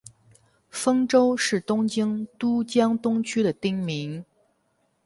丰洲是东京都江东区的町名。